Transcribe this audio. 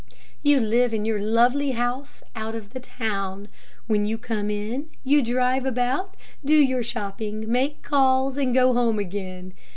You live in your lovely house out of the town. When you come in, you drive about, do your shopping, make calls, and go home again.